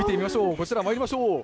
こちらまいりましょう。